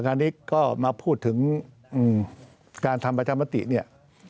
แต่ตอนนี้ก็มาพูดถึงการทำประจำตินี่